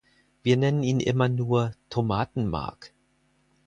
Wir nennen ihn immer nur Tomaten-Mark.